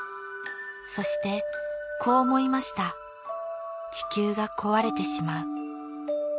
そしてこう思いました「地球が壊れてしまう」